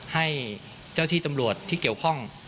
ให้เจ้าที่ตำรวจที่เกี่ยวข้อง